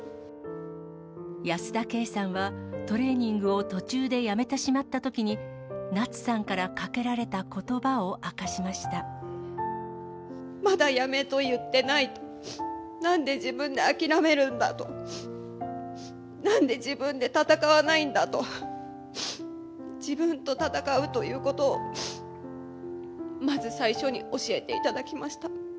保田圭さんは、トレーニングを途中でやめてしまったときに、夏さんからかけられまだやめと言ってないと、なんで自分で諦めるんだ？と、なんで自分で闘わないんだと、自分と闘うということを、まず最初に教えていただきました。